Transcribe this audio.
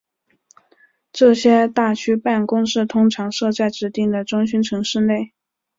这些大区办公室通常设在指定的中心城市内。